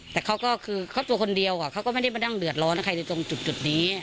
แต่เขาก็คือเขาตัวคนเดียวเขาก็ไม่ได้มานั่งเดือดร้อนใครในตรงจุดนี้